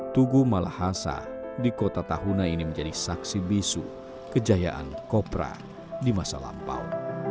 tugu malahasa di kota tahuna ini menjadi saksi bisu kejayaan kopra di masa lampau